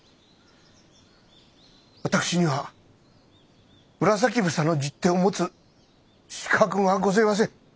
私には紫房の十手を持つ資格がごぜえません。